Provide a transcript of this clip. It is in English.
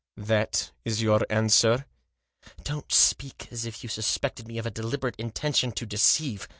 " That is your answer ?"" Don't speak as if you suspected me of a deliberate intention to deceive.